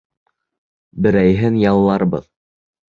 Берәйһен ялларбыҙ.